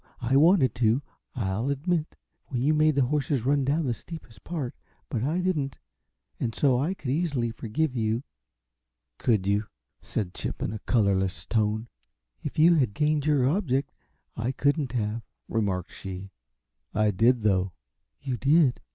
I wanted to, I'll admit, when you made the horses run down the steepest part but I didn't, and so I could easily forgive you." "Could you?" said Chip, in a colorless tone. "If you had gained your object, I couldn't have," remarked she. "I did, though." "You did?